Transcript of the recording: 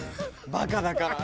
バカだから。